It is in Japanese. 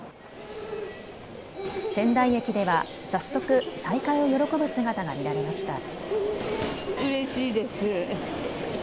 仙台駅では早速、再会を喜ぶ姿が見られました。